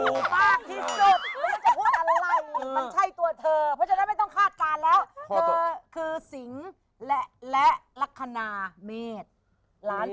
ก็จะพูดว่ามันใช่ตัวเธอไม่ต้องคาดการณ์แล้วคือสิงค์และและลักษณะเมษ